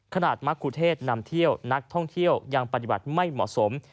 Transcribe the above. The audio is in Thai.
มะคุเทศนำเที่ยวนักท่องเที่ยวยังปฏิบัติไม่เหมาะสม